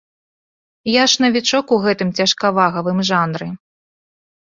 Я ж навічок у гэтым цяжкавагавым жанры.